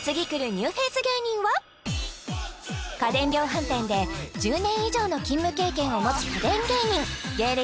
ニューフェイス芸人は家電量販店で１０年以上の勤務経験を持つ家電芸人芸歴